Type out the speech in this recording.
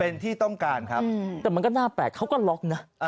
เป็นที่ต้องการครับแต่มันก็น่าแปลกเขาก็ล็อกนะ